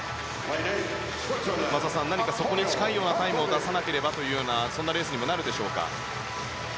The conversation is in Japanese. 松田さん、何かそこに近いタイムを出さないとというそんなレースにもなるでしょうか。